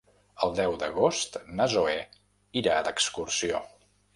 El deu d'agost na Zoè irà d'excursió.